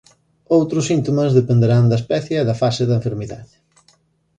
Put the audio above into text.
Outros síntomas dependerán da especie e da fase da enfermidade.